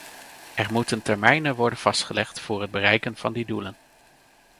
Er moeten termijnen worden vastgelegd voor het bereiken van die doelen.